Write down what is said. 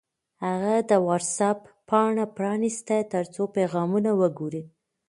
هغه د وټس-اپ پاڼه پرانیسته ترڅو پیغامونه وګوري.